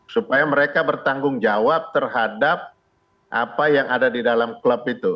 supaya mereka bertanggung jawab terhadap apa yang ada di dalam klub itu